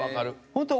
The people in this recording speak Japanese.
ホント。